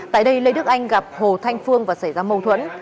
tại đây lê đức anh gặp hồ thanh phương và xảy ra mâu thuẫn